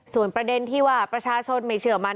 ส่วนประเด็นที่ว่าประชาชนไม่เชื่อมัน